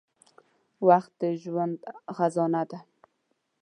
• وخت د ژوند خزانه ده.